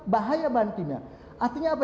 bahaya bahan kimia artinya apa